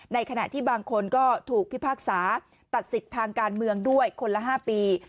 ในขณะที่บางคนก็ถูกพิพากษาตัดสิทธิ์ทางการเมืองด้วยคนละ๕ปี